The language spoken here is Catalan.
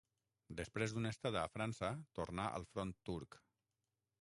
Després d'una estada a França tornà al front turc.